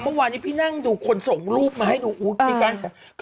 เมื่อวานนี้พี่นั่งดูคนส่งรูปมาให้ดูมีการแชร์